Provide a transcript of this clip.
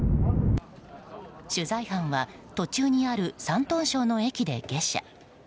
取材班は途中にある山東省の駅で下車。